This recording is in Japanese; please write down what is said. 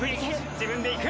自分で行く。